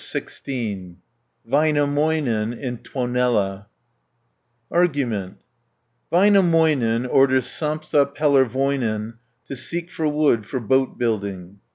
VÄINÄMÖINEN IN TUONELA Argument Väinämöinen orders Sampsa Pellervoinen to seek for wood for boat building.